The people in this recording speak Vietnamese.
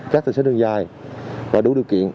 các tài xế đường dài và đủ điều kiện